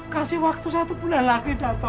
kasih waktu satu bulan lagi